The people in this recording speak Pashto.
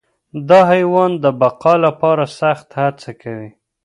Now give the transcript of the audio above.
دا حیوان د بقا لپاره سخت هڅه کوي.